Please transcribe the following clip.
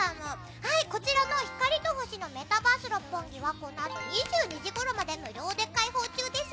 こちらの光と星のメタバース六本木はこのあと２２時ごろまで無料で開放中です！